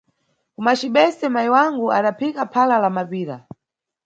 Kumacibese, mayi wangu adaphika phala na mapira.